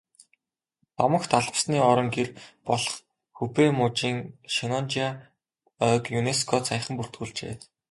Домогт алмасны орон гэр болох Хубэй мужийн Шеннонжиа ойг ЮНЕСКО-д саяхан бүртгүүлжээ.